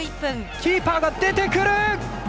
キーパーが出てくる。